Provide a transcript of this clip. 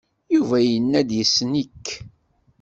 Yuba yenna-d yessen-ik.